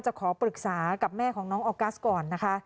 ขอปรึกษากับแม่ของน้องออกัสก่อนนะคะ